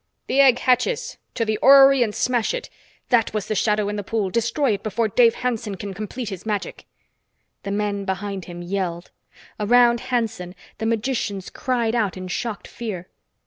"The egg hatches! To the orrery and smash it! That was the shadow in the pool. Destroy it before Dave Hanson can complete his magic!" The men behind him yelled. Around Hanson, the magicians cried out in shocked fear.